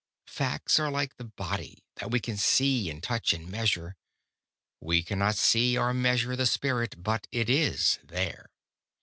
Facts are like the body that we can see and touch and measure; we cannot see or measure the Spirit, but it is there.